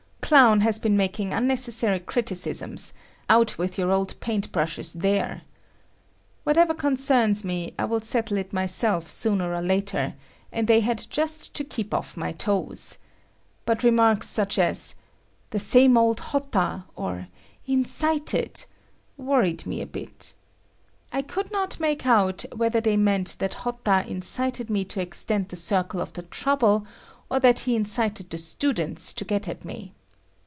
Clown has been making unnecessary criticisms; out with your old paint brushes there! Whatever concerns me, I will settle it myself sooner or later, and they had just to keep off my toes. But remarks such as "the same old Hotta" or "…… incited ……" worried me a bit. I could not make out whether they meant that Hotta incited me to extend the circle of the trouble, or that he incited the students to get at me.